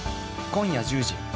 今夜１０時。